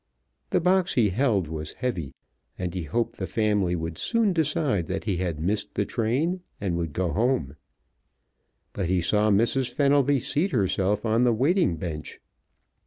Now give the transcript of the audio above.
The box he held was heavy, and he hoped the family would soon decide that he had missed the train, and would go home, but he saw Mrs. Fenelby seat herself on the waiting bench.